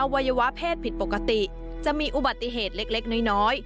อวัยวะเพศผิดปกติจะมีอุบถิเหตุเล็กเล็กน้อยน้อย